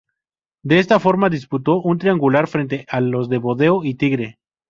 De esta forma, disputó un triangular frente a los de Boedo y Tigre.